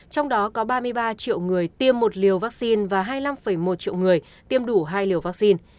trong đó có ba mươi ba triệu người tiêm một liều vaccine và hai mươi năm một triệu người tiêm đủ hai liều vaccine